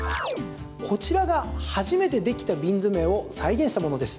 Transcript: こちらが初めてできた瓶詰を再現したものです。